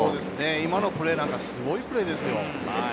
今のプレーなんか、すごいプレーですよ。